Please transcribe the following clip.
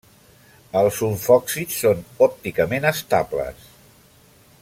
Els sulfòxids són òpticament estables.